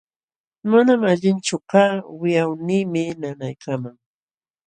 Manam allinchu kaa, wiqawniimi nanaykaaman.